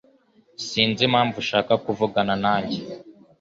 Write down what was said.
Sinzi impamvu ashaka kuvugana nanjye.